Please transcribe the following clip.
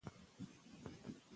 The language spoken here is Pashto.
دا لیکنه په ډسمبر کې شوې ده.